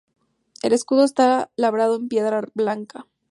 El escudo está labrado en piedra blanca.